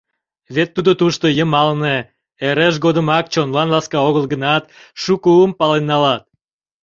Вет тудо тушто, йымалне, эреж годымак чонлан ласка огыл гынат, шуко уым пален налат.